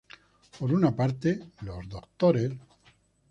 Por una parte, los Dres.